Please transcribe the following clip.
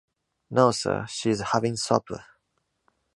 No, sir, she is having supper.